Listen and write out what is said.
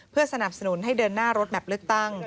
เพื่อสนับสนุนให้เดินหน้ารถแมพเลือกตั้ง